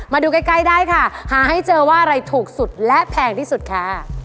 มาดูใกล้ได้ค่ะหาให้เจอว่าอะไรถูกสุดและแพงที่สุดค่ะ